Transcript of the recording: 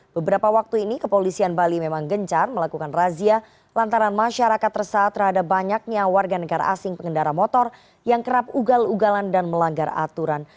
beberapa waktu ini kepolisian bali memang gencar melakukan razia lantaran masyarakat resah terhadap banyaknya warga negara asing pengendara motor yang kerap ugal ugalan dan melanggar aturan